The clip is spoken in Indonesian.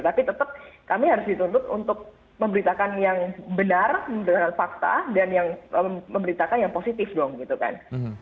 tapi tetap kami harus dituntut untuk memberitakan yang benar benar fakta dan yang memberitakan yang positif dong gitu kan